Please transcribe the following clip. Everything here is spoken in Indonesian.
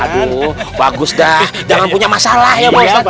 waduh bagus dah jangan punya masalah ya pak ustaz